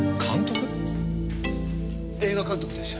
映画監督ですよ。